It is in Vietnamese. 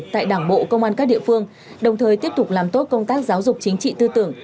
tại đảng bộ công an các địa phương đồng thời tiếp tục làm tốt công tác giáo dục chính trị tư tưởng